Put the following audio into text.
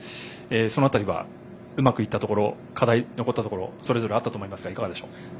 その辺りはうまくいったところ課題が残ったところそれぞれあったと思いますがいかがでしょうか。